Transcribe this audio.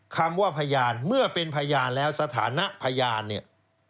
คำว่าพยานเมื่อเป็นพยานแล้วสถานะพยานเนี่ย